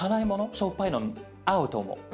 しょっぱいの合うと思う。